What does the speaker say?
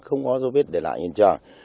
không có dấu vết để lại hiện trường